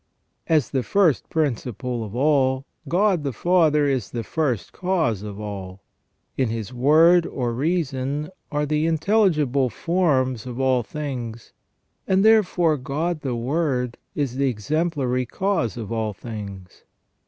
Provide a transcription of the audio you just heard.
As the first principle of all, God the Father is the First Cause of all. In His Word or Reason are the intelligible forms of all things, and therefore God the Word is the Exemplary Cause of all things.